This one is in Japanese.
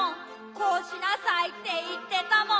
「こうしなさいっていってたもん」